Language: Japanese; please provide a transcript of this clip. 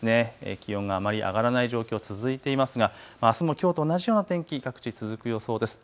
気温があまり上がらない状況続いていますが、あすもきょうと同じような天気各地続く予想です。